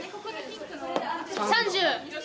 ３０！